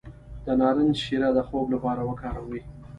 د نارنج شیره د خوب لپاره وکاروئ